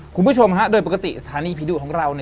คุณผู้ชมด้วยปกติฐาณีภีร์ดูตของเรา